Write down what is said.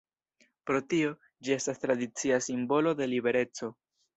Pro tio, ĝi estas tradicia simbolo de libereco.